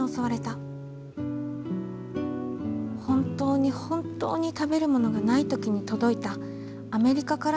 本当に本当に食べるものがない時に届いたアメリカからの救援物資。